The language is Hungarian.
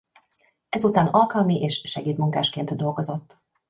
Ezután alkalmi és segédmunkásként dolgozott.